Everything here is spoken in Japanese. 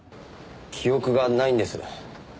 記憶がないんです。